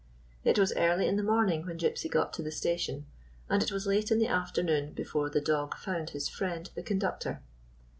It was early in the morning when Gypsy got to the station, and it was late in the afternoon before the dog found his friend, the conductor.